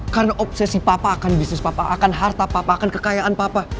karena obsesi papa akan bisnis papa akan harta papa akan kekayaan papa